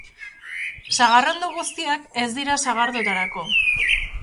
Sagarrondo guztiak ez dira sagardotarako.